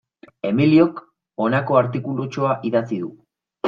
Emiliok honako artikulutxoa idatzi du.